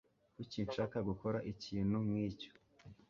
Kuki nshaka gukora ikintu nkicyo?